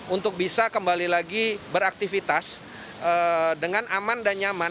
untuk bisa kembali lagi beraktivitas dengan aman dan nyaman